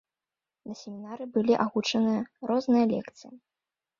На семінары былі агучаны розныя лекцыі.